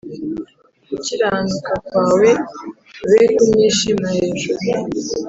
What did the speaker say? Gukiranuka kwawe be kunyishima hejuru